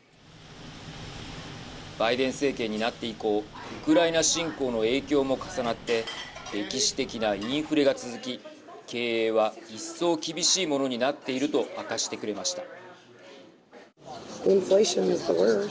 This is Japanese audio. バイデン政権になって以降ウクライナ侵攻の影響も重なって歴史的なインフレが続き経営は一層厳しいものになっていると明かしてくれました。